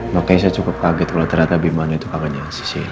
makanya saya cukup kaget kalau ternyata bimana itu kagetnya si sien